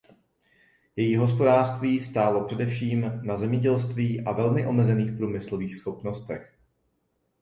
Její hospodářství stálo především na zemědělství a velmi omezených průmyslových schopnostech.